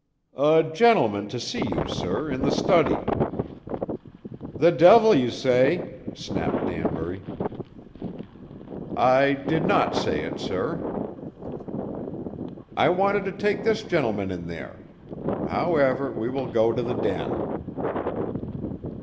"A gentleman to see you, sir, in the study." "The devil you say," snapped Danbury. "I did not say it, sir." "I wanted to take this gentleman in there. However, we will go to the den."